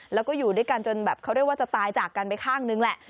แล้วก็อยู่ด้วยกันจนแบบเขาเรียกว่าจะตายจากกันไปข้างนึงแหละ